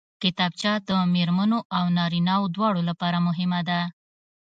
کتابچه د مېرمنو او نارینوو دواړو لپاره مهمه ده